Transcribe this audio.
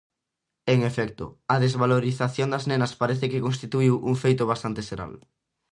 En efecto, a desvalorización das nenas parece que constituíu un feito bastante xeral.